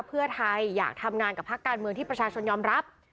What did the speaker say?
เพื่อไทยอยากทำงานกับภาคการเมืองที่ประชาชนยอมรับ